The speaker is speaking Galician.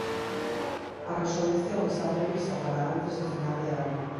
A resolución está prevista para antes de final de ano.